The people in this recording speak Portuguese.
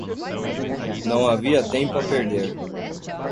Não havia tempo a perder.